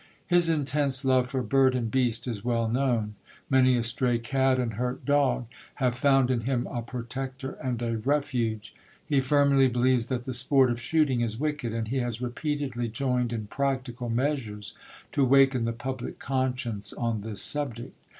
His intense love for bird and beast is well known; many a stray cat and hurt dog have found in him a protector and a refuge. He firmly believes that the sport of shooting is wicked, and he has repeatedly joined in practical measures to waken the public conscience on this subject.